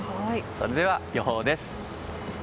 それでは予報です。